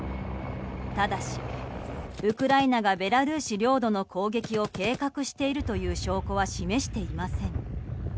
ただし、ウクライナがベラルーシ領土の攻撃を計画しているという証拠は示していません。